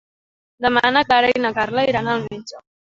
Demà na Clara i na Carla iran al metge.